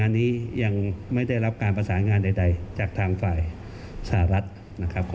อันนี้เดี๋ยวรอดูกันต่อไปนะคะ